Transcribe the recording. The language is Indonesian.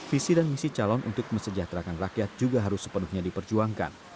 visi dan misi calon untuk mesejahterakan rakyat juga harus sepenuhnya diperjuangkan